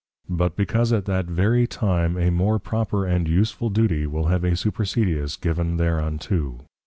But because at that very Time a more proper and Useful Duty, will have a Supersedeas given thereunto.